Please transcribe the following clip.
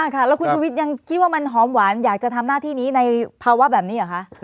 ค่ะแล้วคุณชุวิตยังคิดว่ามันหอมหวานอยากจะทำหน้าที่นี้ในภาวะแบบนี้เหรอคะ